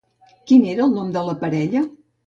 Quin era el nom de la parella?